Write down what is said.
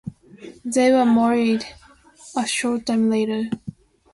They were married a short time later.